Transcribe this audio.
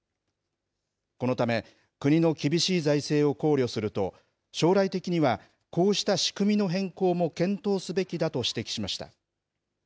このため、国の厳しい財政を考慮すると、将来的にはこうした仕組みの変更も検討すべきだと指摘しました。